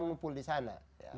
mengumpul di sana